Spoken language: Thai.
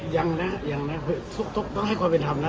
ยังนะยังนะต้องให้ความเป็นธรรมนะ